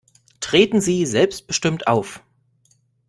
Treten Sie selbstbestimmt auf.